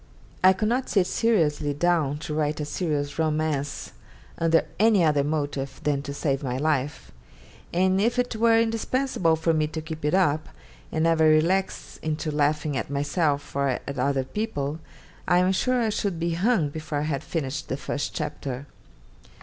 I could not sit seriously down to write a serious romance under any other motive than to save my life; and if it were indispensable for me to keep it up and never relax into laughing at myself or at other people, I am sure I should be hung before I had finished the first chapter.